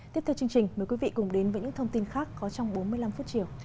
tiếp theo chương trình mời quý vị cùng đến với những thông tin khác có trong bốn mươi năm phút chiều